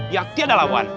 yang tidak lawan